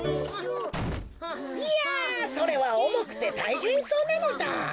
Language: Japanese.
いやそれはおもくてたいへんそうなのだ。